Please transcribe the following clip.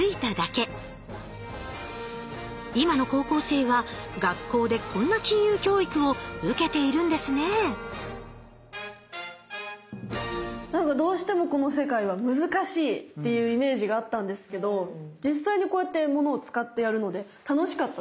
今の高校生は学校でこんな金融教育を受けているんですねなんかどうしてもこの世界は難しいっていうイメージがあったんですけど実際にこうやって物を使ってやるので楽しかったです。